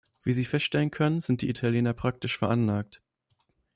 Wie Sie feststellen können, sind die Italiener praktisch veranlagt.